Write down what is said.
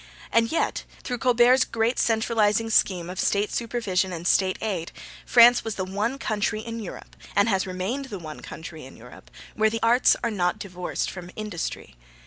And yet, through Colbert's great centralising scheme of State supervision and State aid, France was the one country in Europe, and has remained the one country in Europe, where the arts are not divorced from industry.